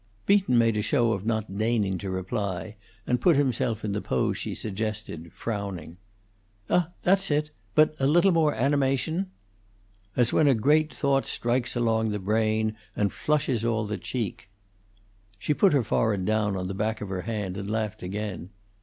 Beaton made a show of not deigning to reply, and put himself in the pose she suggested, frowning. "Ah, that's it. But a little more animation "'As when a great thought strikes along the brain, And flushes all the cheek.'" She put her forehead down on the back of her hand and laughed again.